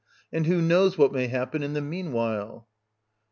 And who knows what may happen in the meanwhile?